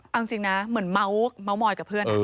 เอาจริงนะเหมือนเมาส์มอยกับเพื่อน